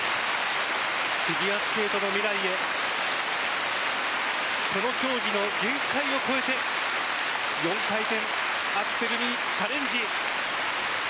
フィギュアスケートの未来へこの競技の限界を超えて４回転アクセルにチャレンジ！